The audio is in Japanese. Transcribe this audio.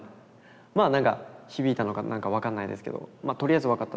まあなんか響いたのかなんか分かんないですけど「とりあえず分かった。